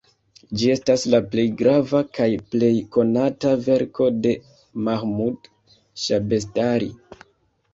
Ĝi estas la plej grava kaj plej konata verko de Mahmud Ŝabestari.